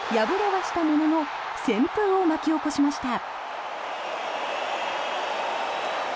はしたものの旋風を巻き起こしました。